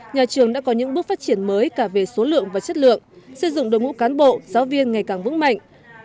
nhà trường đã có những bước phát triển mới cả về số lượng và chất lượng xây dựng đồng hữu cán bộ giáo viên ngày càng vững mạnh